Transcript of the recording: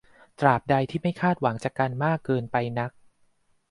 ตราบใดที่ไม่คาดหวังจากกันมากเกินไปนัก